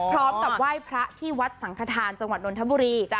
พร้อมกับไหว้พระที่วัดสังขทานจังหวัดนทบุรี